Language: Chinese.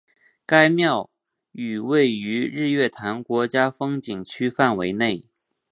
该庙宇位于日月潭国家风景区范围内。